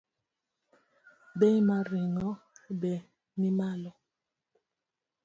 Bei mar ring’ono be nimalo